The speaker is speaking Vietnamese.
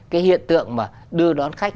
cái hiện tượng mà đưa đón khách